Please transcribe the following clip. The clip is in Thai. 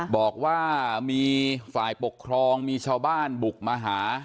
บอกว่ามีฝ่ายปกครองมีชาวบ้านบุกมาหา